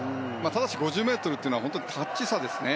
ただし、５０ｍというのは本当、タッチ差ですね。